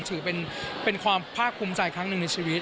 ถือเป็นความภาคภูมิใจครั้งหนึ่งในชีวิต